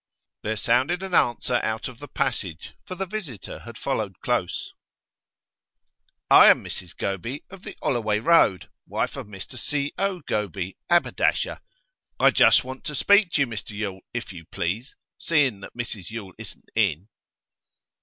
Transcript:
There sounded an answer out of the passage, for the visitor had followed close. 'I am Mrs Goby, of the 'Olloway Road, wife of Mr C. O. Goby, 'aberdasher. I just want to speak to you, Mr Yule, if you please, seeing that Mrs Yule isn't in.